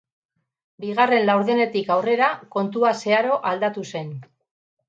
Bigarren laurdenetik aurrera, kontua zeharo aldatu zen.